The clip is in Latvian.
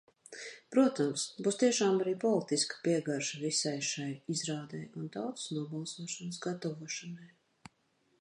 Protams, būs tiešām arī politiskā piegarša visai šai izrādei un tautas nobalsošanas gatavošanai.